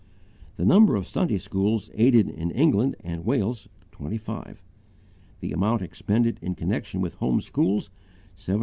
The number of Sunday schools aided in England and Wales, 25. The amount expended in connection with home schools, 736 pounds 13s.